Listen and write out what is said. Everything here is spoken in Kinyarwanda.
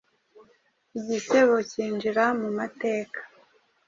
Igisebo kinjira mu mateka.